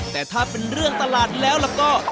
แต่ถ้าเป็นเรื่องตลาดแล้วก็